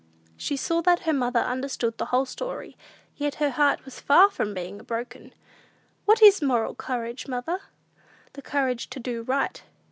She saw that her mother understood the whole story, yet her heart was far from being broken! "What is moral courage, mother?" "The courage to do right."